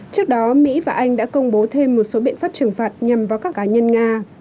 trước đó mỹ và anh đã công bố thêm một số biện pháp trừng phạt nhằm vào các cá nhân nga